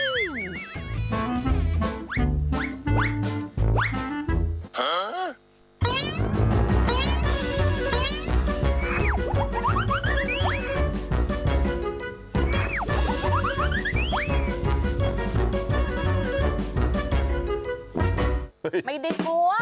ไม่ได้กลัว